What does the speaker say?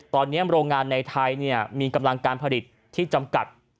ตอนนี้โรงงานในไทยมีกำลังการผลิตที่จำกัด